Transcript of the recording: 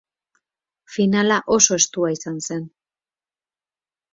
Finala oso estua izan zen.